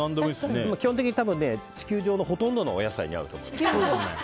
基本的に地球上のほとんどのお野菜に合うと思います。